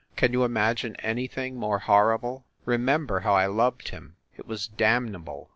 Can you imagine anything more horrible? Remember how I loved him. It was damnable.